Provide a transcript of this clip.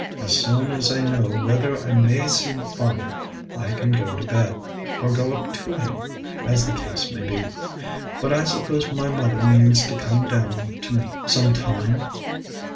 "As soon as I know whether I may see father, I can go to bed or go up to him, as the case may be. But I suppose my mother means to come down to me some time?"